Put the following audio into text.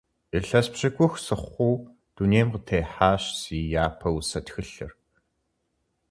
Илъэс пщыкӏух сыхъуу дунейм къытехьащ си япэ усэ тхылъыр.